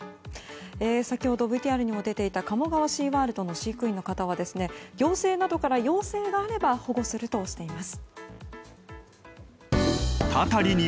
先ほどＶＴＲにも出ていた鴨川シーワールドの飼育員の方は行政などから要請があれば保護するとしています。